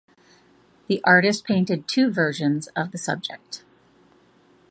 The artist painted two versions of the subject.